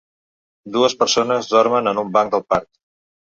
Dues persones dormen en un banc del parc.